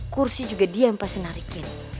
kursi juga diam pas senarikin